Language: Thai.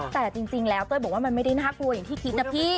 แต่จริงแล้วเต้ยบอกว่ามันไม่ได้น่ากลัวอย่างที่คิดนะพี่